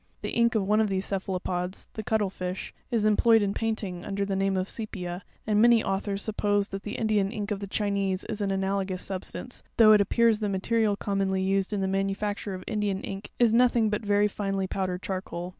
'The ink of one of these cephalopods—the cuttle fish—is employed in painting, under the name of sepia; and many au thors suppose that the Indian ink of. the Chinese is an analogous substance, though it appears the material commonly used in the manufacture of Indian ink is nothing but very finely powdered charcoal.